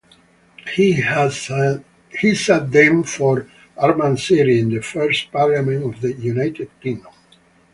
He sat then for Armagh City in the first Parliament of the United Kingdom.